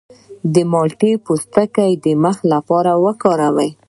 د مالټې پوستکی د مخ لپاره وکاروئ